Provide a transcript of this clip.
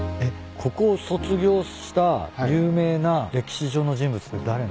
ここを卒業した有名な歴史上の人物って誰になるんですか？